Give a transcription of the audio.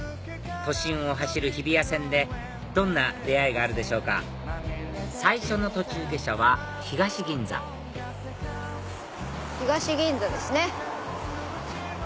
都心を走る日比谷線でどんな出会いがあるでしょうか最初の途中下車は東銀座東銀座ですね。